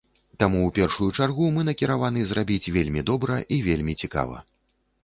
Таму ў першую чаргу мы накіраваны зрабіць вельмі добра і вельмі цікава.